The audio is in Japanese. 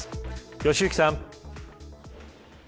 良幸さん。